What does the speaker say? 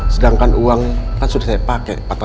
sedangkan uangnya kan sudah saya pakai empat tahun yang lalu